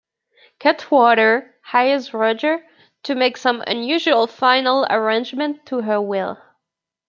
Cutwater hires Roger to make some unusual final arrangements to her will.